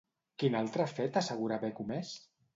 Quin altre fet assegura haver comès?